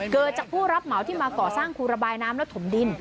เกิดจากผู้รับเหมาที่มาก่อสร้างครูระบายน้ำและถมดิน